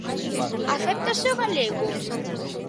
Acéptase o galego?